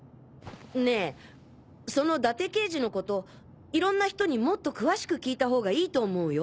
ねぇその伊達刑事のこといろんな人にもっと詳しく聞いたほうがいいと思うよ。